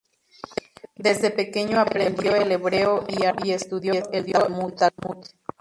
Desde pequeño aprendió el hebreo y arameo, y estudió el Talmud.